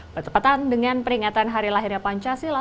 bertepatan dengan peringatan hari lahirnya pancasila